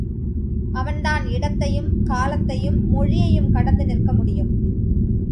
அவன்தான் இடத்தையும், காலத்தையும், மொழியையும் கடந்து நிற்க முடியும்.